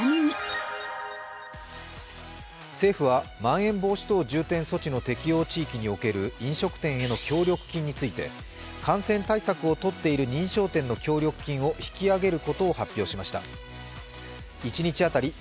政府はまん延防止等重点措置の適用地域における飲食店への協力金について感染対策をとっている認証店の協力金を引き上げることを発表しました。